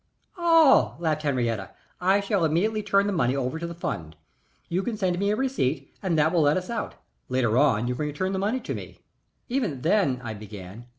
"Oh," laughed Henriette, "I shall immediately turn the money over to the fund. You can send me a receipt and that will let us out. Later on you can return the money to me." "Even then " I began.